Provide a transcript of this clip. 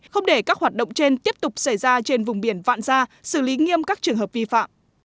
không để các hoạt động trên tiếp tục xảy ra trên vùng biển vạn gia xử lý nghiêm các trường hợp vi phạm